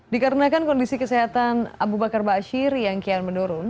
dikarenakan kondisi kesehatan abu bakar ba'asyir yang kian menurun